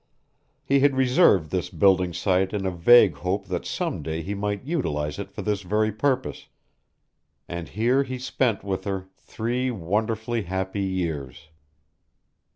He had reserved this building site in a vague hope that some day he might utilize it for this very purpose, and here he spent with her three wonderfully happy years.